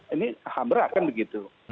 ini ham berat kan begitu